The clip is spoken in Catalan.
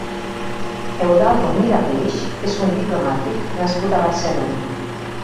Eudaldo Mirapeix és un diplomàtic nascut a Barcelona.